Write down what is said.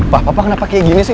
wah papa kenapa kayak gini sih